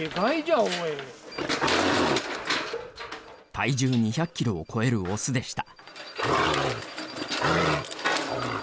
体重２００キロを超えるオスでした。